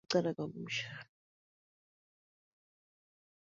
Mike DaRonco of Allmusic gave the album a positive four star review.